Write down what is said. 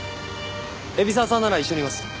海老沢さんなら一緒にいます。